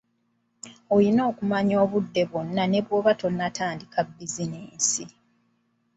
Olina okumanya obudde bwonna ne bw’oba tonnatandika bizinensi.